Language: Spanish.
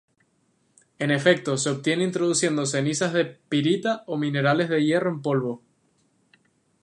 En efecto se obtiene introduciendo cenizas de pirita o minerales de hierro en polvo.